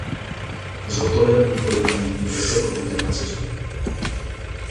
Zhotovil i několik pamětních desek obětem nacismu.